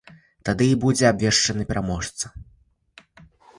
Тады і будзе абвешчаны пераможца.